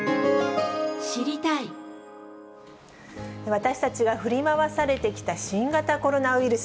私たちが振り回されてきた新型コロナウイルス。